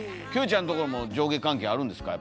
ちゃんところも上下関係あるんですか？